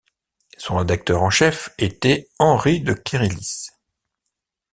Son rédacteur en chef était Henri de Kérillis.